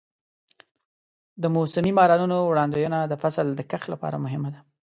د موسمي بارانونو وړاندوینه د فصل د کښت لپاره مهمه ده.